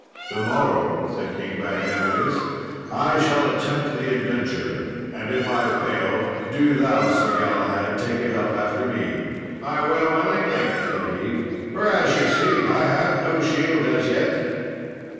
"To morrow," said King Bagdemagus, "I shall attempt the adventure; and if I fail, do thou, Sir Galahad, take it up after me." "I will willingly," said he; "for as ye see I have no shield as yet."